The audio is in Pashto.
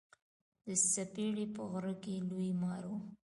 د سپرې په غره کښي لوی مار و.